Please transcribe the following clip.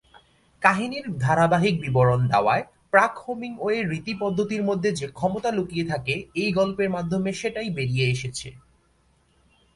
কাহিনীর ধারাবাহিক বিবরণ দেওয়ায় প্রাক-হেমিংওয়ে রীতি-পদ্ধতির মধ্যে যে ক্ষমতা লুকিয়ে থাকে এই গল্পের মাধ্যমে সেটাই বেরিয়ে এসেছে।